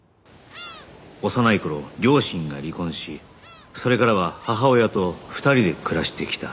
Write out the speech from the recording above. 幼い頃両親が離婚しそれからは母親と２人で暮らしてきた